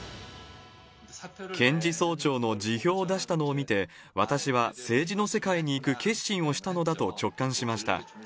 検事総長の辞表を出したのを見て、私は政治の世界に行く決心をしたのだと直感しました。